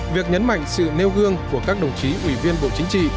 việc nhấn mạnh sự nêu gương của các đồng chí ủy viên bộ chính trị